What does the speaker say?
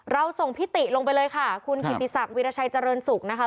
เราส่งพิติลงไปเลยค่ะคุณกิติศักดิราชัยเจริญสุขนะคะ